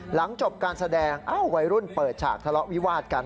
หลังจบการแสดงวัยรุ่นเปิดฉากทะเลาะวิวาดกัน